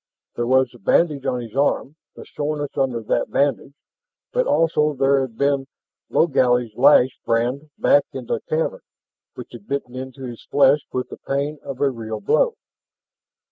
There was the bandage on his arm, the soreness under that bandage. But also there had been Logally's lash brand back in the cavern, which had bitten into his flesh with the pain of a real blow.